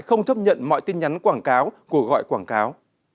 không chấp nhận mọi tin nhắn quảng cáo cuộc gọi quảng cáo